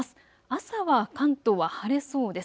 朝は関東は晴れそうです。